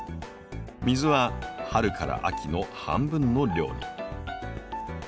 水は春から秋の半分の量に。